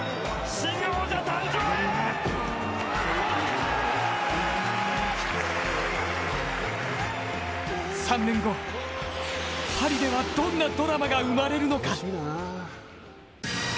止まった！３年後、パリではどんなドラマが生まれるのか。